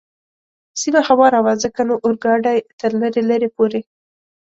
سیمه هواره وه، ځکه نو اورګاډی تر لرې لرې پورې.